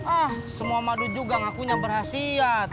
ah semua madu juga ngakunya berhasil